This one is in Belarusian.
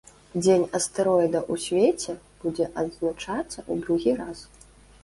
Дзень астэроіда ў свеце будзе адзначацца ў другі раз.